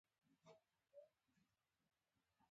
د ماشوم د پوزې د پاکوالي لپاره کومې اوبه وکاروم؟